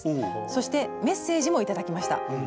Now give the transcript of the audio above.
そしてメッセージも頂きました。